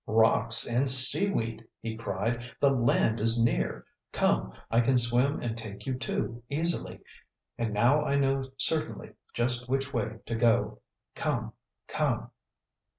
"Rocks and seaweed!" he cried. "The land is near. Come; I can swim and take you, too, easily. And now I know certainly just which way to go. Come, come!"